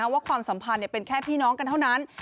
ความสัมพันธ์เป็นแค่พี่น้องกันเท่านั้น